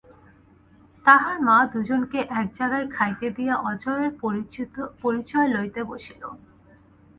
তাহার মা দুজনকে এক জায়গায় খাইতে দিয়া অজয়ের পরিচয় লইতে বসিল।